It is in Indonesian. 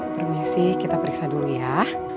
permisi kita periksa dulu ya